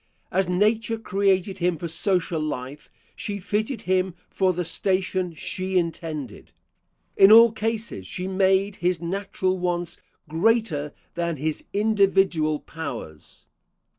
As Nature created him for social life, she fitted him for the station she intended. In all cases she made his natural wants greater than his individual powers.